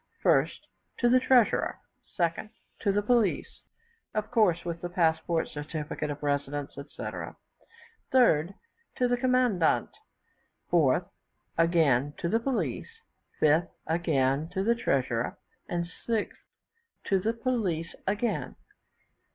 1st, to the treasurer; 2nd, to the police (of course with the passport, certificate of residence, etc.); 3rd, to the commandant; 4th, again to the police; 5th, again to the treasurer; and 6th, to the police again.